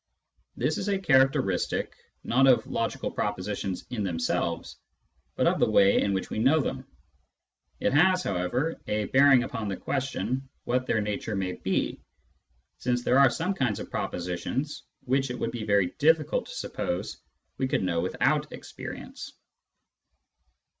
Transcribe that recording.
This is a characteristic, not of logical propositions in themselves, but of the way in which we know them. It has, however, a bearing upon the question what their nature may be, since there are some kinds of propositions which it would be very difficult to suppose we could know without experience.